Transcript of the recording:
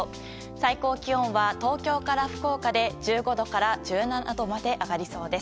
最高気温は東京から福岡で１５度から１７度まで上がりそうです。